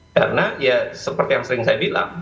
karena ya seperti yang sering saya bilang